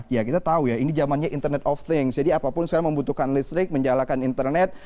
ya kita tahu ya ini zamannya internet of things jadi apapun sekarang membutuhkan listrik menjalankan internet